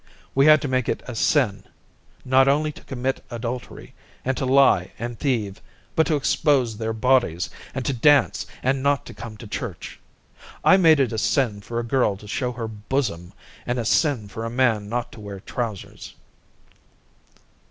We had to make it a sin, not only to commit adultery and to lie and thieve, but to expose their bodies, and to dance and not to come to church. I made it a sin for a girl to show her bosom and a sin for a man not to wear trousers."